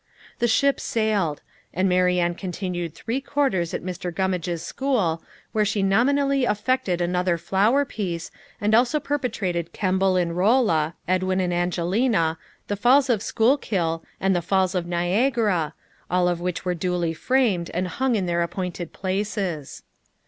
The ship sailed and Marianne continued three quarters at Mr. Gummage's school, where she nominally affected another flower piece, and also perpetrated Kemble in Rolla, Edwin and Angelina, the Falls of Schuylkill, and the Falls of Niagara, all of which were duly framed, and hung in their appointed places.